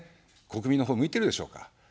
国民のほうを向いてるでしょうか。